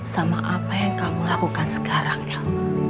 sama apa yang kamu lakukan sekarang dong